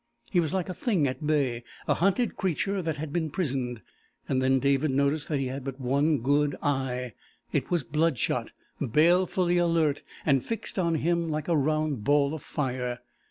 He was like a thing at bay a hunted creature that had been prisoned. And then David noticed that he had but one good eye. It was bloodshot, balefully alert, and fixed on him like a round ball of fire.